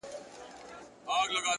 سوځوي چي زړه د وينو په اوبو کي’